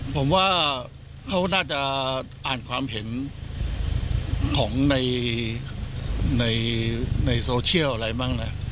ผมว่าเขาน่าจะอ่านความเห็นของในโซเชียลอะไรบ้างนะ